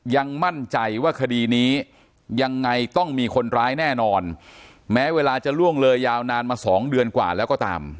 ยังมั่นใจว่าคดีนี้ยังไงต้องมีคนร้ายแน่นอนแม้เวลาจะล่วงเลยยาวนานมาสองเดือนกว่าแล้วก็ตาม